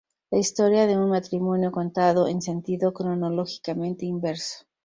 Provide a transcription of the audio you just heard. La historia de un matrimonio contada en sentido cronológicamente inverso.